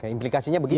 implikasinya begitu ya